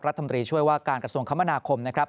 รัฐมนตรีช่วยว่าการกระทรวงคมนาคมนะครับ